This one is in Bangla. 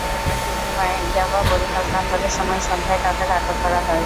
এরপর টাকার বিনিময়ে ইয়াবা বড়ি হস্তান্তরের সময় সন্ধ্যায় তাঁদের আটক করা হয়।